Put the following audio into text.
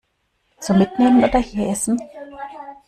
Zum Mitnehmen oder hier essen?